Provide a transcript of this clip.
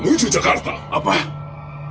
menodo dengan kuota ayam